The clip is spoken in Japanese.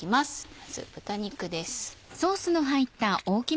まず豚肉です。